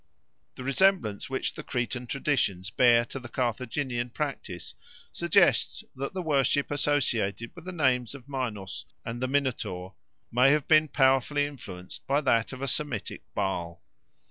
The resemblance which the Cretan traditions bear to the Carthaginian practice suggests that the worship associated with the names of Minos and the Minotaur may have been powerfully influenced by that of a Semitic Baal.